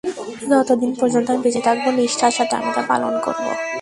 যতদিন পর্যন্ত আমি বেঁচে থাকব নিষ্ঠার সাথে আমি তা পালন করব।